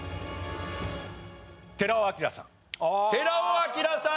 寺尾聰さん